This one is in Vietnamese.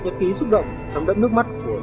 nhật ký xúc động trong đất nước mắt